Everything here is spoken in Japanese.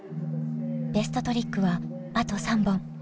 ベストトリックはあと３本。